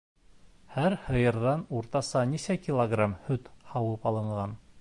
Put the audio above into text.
Һәр һыйырҙан уртаса нисә килограмм һөт һауып алынған?